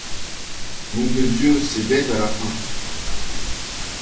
Nom de Dieu, c’est bête à la fin!